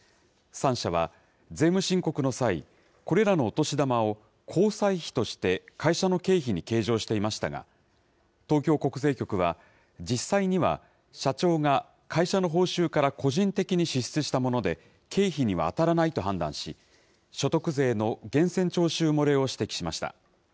３社は、税務申告の際、これらのお年玉を交際費として会社の経費に計上していましたが、東京国税局は、実際には、社長が会社の報酬から個人的に支出したもので、経費には当たらないと判断し、所得税の源泉徴収漏れを指摘しました。